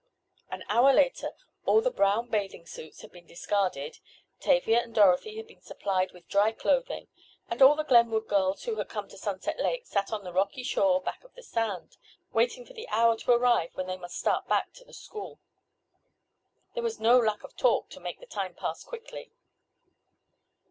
An hour later all the brown bathing suits had been discarded, Tavia and Dorothy had been supplied with dry clothing, and all the Glenwood girls who had come to Sunset Lake sat on the rocky shore back of the sand, waiting for the hour to arrive when they must start back to the school. There was no lack of talk to make the time pass quickly.